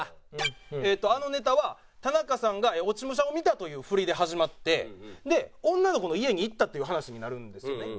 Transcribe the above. あのネタは田中さんが落ち武者を見たという振りで始まって女の子の家に行ったという話になるんですよね。